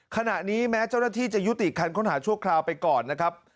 ขณะนี้แม้เจ้าหน้าที่จะยุติการค้นหาชั่วคราวไปก่อนนะครับ